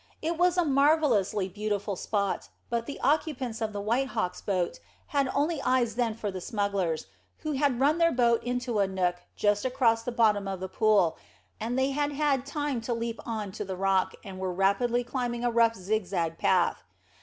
It was a marvellously beautiful spot, but the occupants of the White Hawk's boat had only eyes then for the smugglers, who had run their boat into a nook just across the bottom of the pool, and they had had time to leap on to the rock, and were rapidly climbing a rough zigzag path.